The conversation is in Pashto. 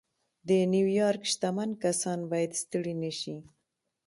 د نيويارک شتمن کسان بايد ستړي نه شي.